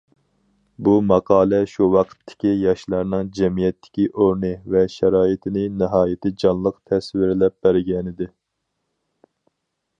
بۇ ماقالە شۇ ۋاقىتتىكى ياشلارنىڭ جەمئىيەتتىكى ئورنى ۋە شارائىتىنى ناھايىتى جانلىق تەسۋىرلەپ بەرگەنىدى.